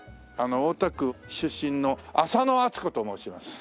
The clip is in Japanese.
大田区出身の浅野温子と申します。